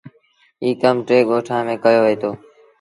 ايٚ ڪم ٽي ڳوٺآݩ ميݩ ڪيو وهيٚتو۔